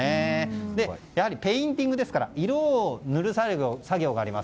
そして、ペインティングですから色を塗る作業があります。